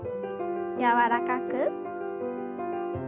柔らかく。